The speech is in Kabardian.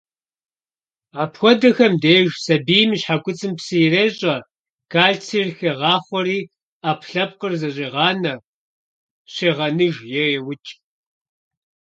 Апхуэдэхэм деж сабийм и щхьэкуцӏым псы ирещӏэ, кальцийр хегъахъуэри, ӏэпкълъэпкъыр зэщӏегъанэ, щегъэныж е еукӏ.